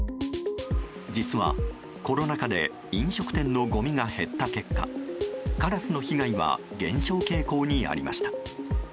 実は、コロナ禍で飲食店のごみが減った結果カラスの被害は減少傾向にありました。